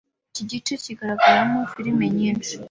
iki gice kigaragaramo filimi nyinshi